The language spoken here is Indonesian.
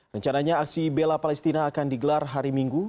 rencananya aksi bela palestina akan digelar hari minggu